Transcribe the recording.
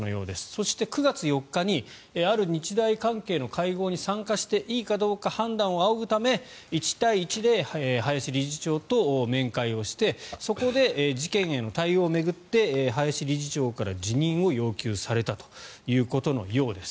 そして、９月４日にある日大関係の会合に参加していいか判断を仰ぐため１対１で林理事長と面会をしてそこで事件への対応を巡って林理事長から辞任を要求されたということのようです。